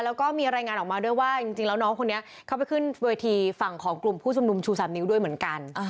แล้วก็มีรายงานออกมาด้วยว่าจริงแล้วน้องคนนี้เข้าไปขึ้นเวทีฝั่งของกลุ่มผู้ชุมนุมชู๓นิ้วด้วยเหมือนกัน